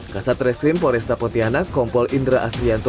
kasat reskrim poresta pontianak kompol indra asrianto